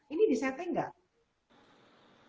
ini disetting nggak